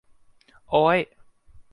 โอ๊ย